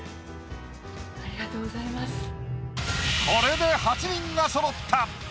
これで８人がそろった。